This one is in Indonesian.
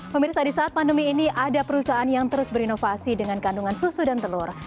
pemirsa di saat pandemi ini ada perusahaan yang terus berinovasi dengan kandungan susu dan telur